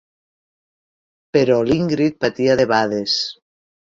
Però l'Ingrid patia debades.